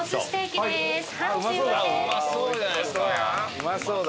うまそうだ。